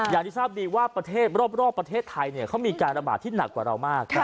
อย่างที่ทราบดีว่าประเทศรอบประเทศไทยเขามีการระบาดที่หนักกว่าเรามาก